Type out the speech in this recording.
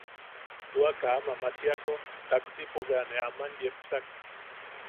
Tua kaa mamachiako taxipo bea ne aman yepsak.